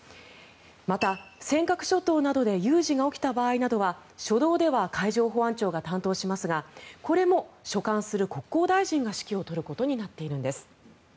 また尖閣諸島などで有事が起きた場合などは初動では海上保安庁が担当しますがこれも所管する国交大臣が指揮を執ることになっているんです。